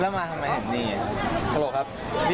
เราก็ไม่ได้บันดาลอยู่นี่ก็เลย